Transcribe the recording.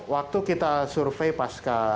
waktu kita survei pas ke